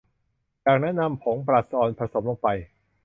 จากนั้นนำผงบลัชออนผสมลงไป